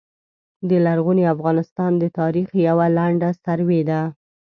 د لرغوني افغانستان د تاریخ یوع لنډه سروې ده